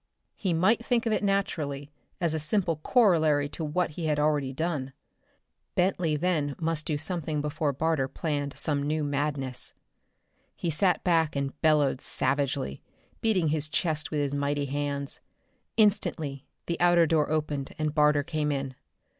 He might think of it naturally, as a simple corollary to what he had already done. Bentley then must do something before Barter planned some new madness. He sat back and bellowed savagely, beating his chest with his mighty hands. Instantly the outer door opened and Barter came in.